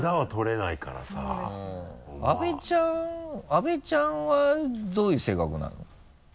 阿部ちゃんはどういう性格なの？